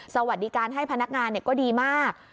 สวัสดีการให้พนักงานก็ดีมาก